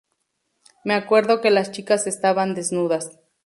Me acuerdo que las chicas estaban desnudas".